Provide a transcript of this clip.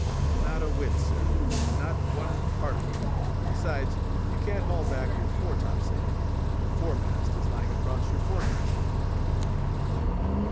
"Not a whit, sir—not one particle; besides, you can't haul back your fore top sail—your fore mast is lying across your forecastle."